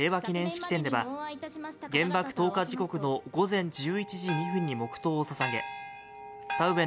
式典では原爆投下時刻の午前１１時２分に黙とうをささげ田上